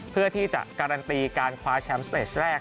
เพื่อที่จะการันตีการคว้าแชมป์สเตสแรก